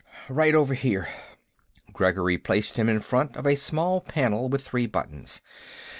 "Right over here." Gregory placed him in front of a small panel with three buttons.